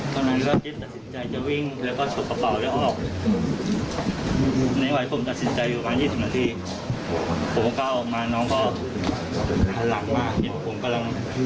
เพราะว่าเบียร์ที่กินไปก็ว่ามันเกิดเมา